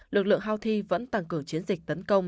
lực lượng houthi vẫn tăng cường chiến dịch tấn công